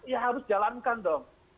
ya harus jalankan dong